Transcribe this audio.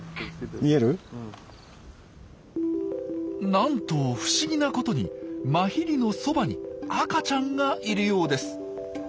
なんと不思議なことにマヒリのそばに赤ちゃんがいるようです。